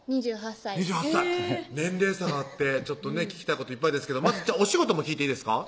２８歳２８歳年齢差があって聞きたいこといっぱいですけどまずお仕事も聞いていいですか？